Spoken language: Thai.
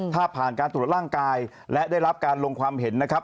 ถ้าผ่านการตรวจร่างกายและได้รับการลงความเห็นนะครับ